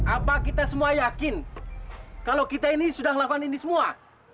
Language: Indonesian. apa kita semua yakin kalau kita ini sudah melakukan ini semua